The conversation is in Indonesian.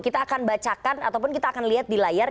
kita akan bacakan ataupun kita akan lihat di layar